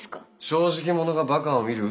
正直者がバカを見る。